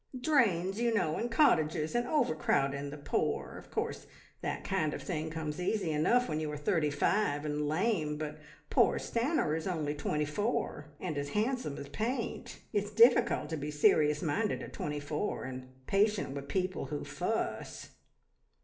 "Drains, you know, and cottages, and overcrowding the poor. Of course that kind of thing comes easy enough when you are thirty five and lame, but poor Stanor is only twenty four, and as handsome as paint. It's difficult to be serious minded at twenty four, and patient with people who fuss!"